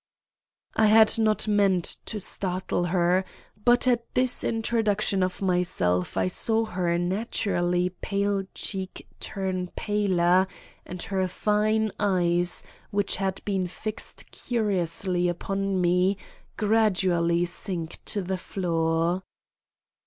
I had not meant to startle her, but at this introduction of myself I saw her naturally pale cheek turn paler, and her fine eyes, which had been fixed curiously upon me, gradually sink to the floor.